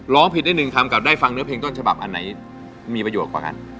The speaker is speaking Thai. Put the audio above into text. ร้องผิดได้หนึ่งคำกับได้ฟังเนื้อเพลงต้นฉบับอันไหนมีประโยชน์กว่ากัน